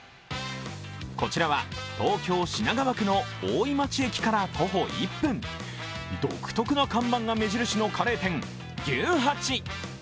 こちらは東京・品川区の大井町駅から徒歩１分独特な看板が目印のカレー店牛八。